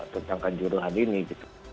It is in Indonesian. tentangkan juruhan ini gitu